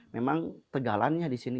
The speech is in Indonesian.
memang tegalannya di sini